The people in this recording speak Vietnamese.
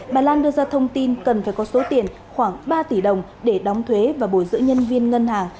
bà lan đưa ra thông tin cần phải có số tiền khoảng ba tỷ đồng để đóng thuế và bồi giữ nhân viên ngân hàng